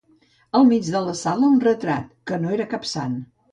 Al mig de la sala un retrat, que no era cap Sant